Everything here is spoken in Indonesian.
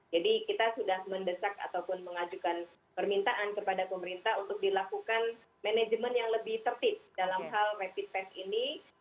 jadi kita sudah mendesak ataupun mengajukan permintaan kepada pemerintah untuk dilakukan manajemen yang lebih tertib dalam hal rapid test ini